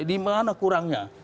di mana kurangnya